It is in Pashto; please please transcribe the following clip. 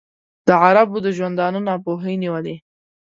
د عربو د ژوندانه ناپوهۍ نیولی.